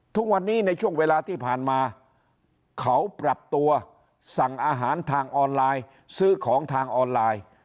ทุกวันนี้ในช่วงเวลาที่ผ่านมาเขาปรับตัวสั่งอาหารทางออนไลน์ซื้อของทางออนไลน์